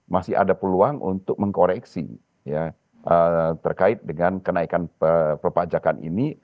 masih ada peluang untuk mengkoreksi terkait dengan kenaikan perpajakan ini